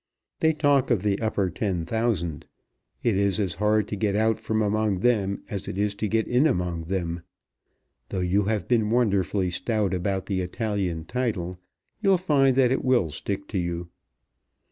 They talk of the upper ten thousand. It is as hard to get out from among them as it is to get in among them. Though you have been wonderfully stout about the Italian title, you'll find that it will stick to you."